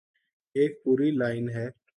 ایک پوری لائن ہے۔